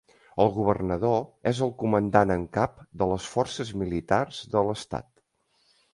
El governador és el comandant en cap de les forces militars de l'estat.